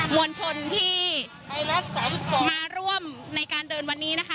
มวลชนที่มาร่วมในการเดินวันนี้นะคะ